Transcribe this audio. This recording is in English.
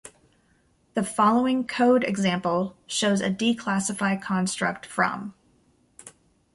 The following code example shows a declassify construct from.